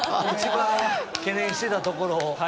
一番懸念してたところを。